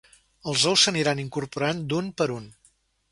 Els ous s’aniran incorporant d’un per un.